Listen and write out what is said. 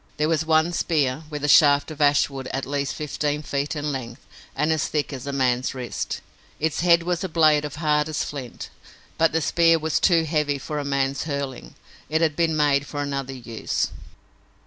There was one spear, with a shaft of ash wood at least fifteen feet in length and as thick as a man's wrist. Its head was a blade of hardest flint, but the spear was too heavy for a man's hurling. It had been made for another use.